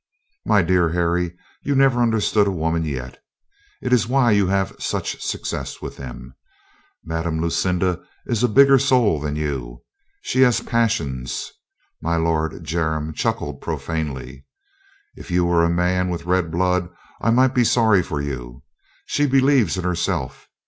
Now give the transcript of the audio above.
"My dear Harry, you never understood a woman yet. It Is why you have such success with them. Madame Lucinda is a bigger soul than you. She has passions." (My Lord Jermyn chuckled pro fanely.) "If you were a man with red blood I might be sorry for you. She believes in herself.